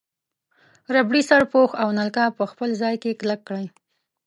ربړي سرپوښ او نلکه په خپل ځای کې کلک کړئ.